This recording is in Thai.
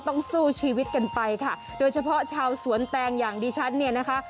ต้องสู้ชีวิตกันไปค่ะโดยเฉพาะชาวสวนแตงอย่างดิฉันเนี่ยนะคะ